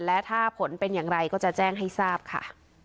และถ้าผลเป็นอย่างไรก็จะแจ้งให้ทราบค่ะ